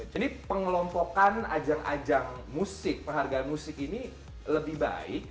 jadi pengelompokan ajang ajang musik perhargaan musik ini lebih baik